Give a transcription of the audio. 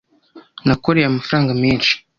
Nakoreye amafaranga menshi